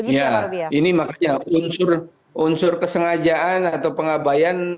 ya ini makanya unsur kesengajaan atau pengabayan